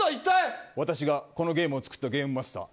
私がこのゲームを作ったゲームマスター。